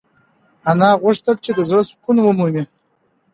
انا غوښتل چې د زړه سکون ومومي.